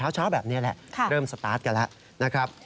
เช้าแบบนี้แหละเริ่มสตาร์ทกันแล้วนะครับ